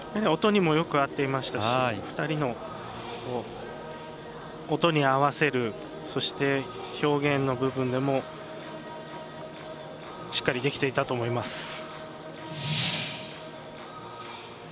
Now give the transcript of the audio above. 音にもよく合っていましたし２人の音に合わせるそして、表現の部分でもしっかりできていたと思います。